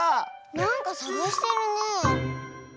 なんかさがしてるねえ。